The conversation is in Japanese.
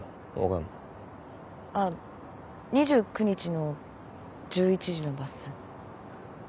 あっ２９日の１１時のバス。